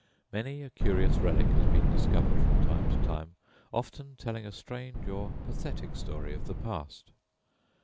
Many a curious relic has been discovered from time to time, often telling a strange or pathetic story of the past.